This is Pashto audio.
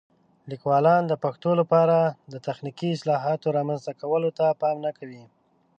لیکوالان د پښتو لپاره د تخنیکي اصطلاحاتو رامنځته کولو ته پام نه کوي.